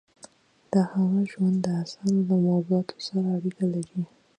د هغه ژوند د اثارو له موضوعاتو سره اړیکه لري.